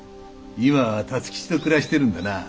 今は辰吉と暮らしてるんだな。